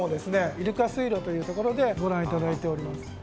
イルカ水路という所でご覧頂いております。